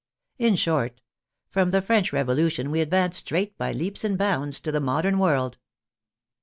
In short, from the French Revolution we advance straight by leaps and bounds to the modern world.